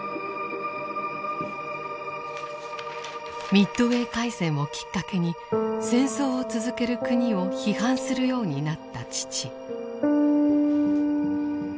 ミッドウェー海戦をきっかけに戦争を続ける国を批判するようになった父。